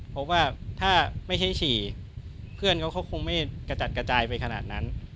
เพราะว่าถ้าไม่ให้ฉี่เพื่อนเขาเขาคงไม่กระจัดกระจายไปขนาดนั้น